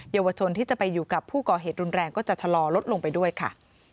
เยาวชนที่จะไปอยู่กับผู้ก่อเหตุรุนแรงก็จะชะลอลดลงไปด้วยค่ะ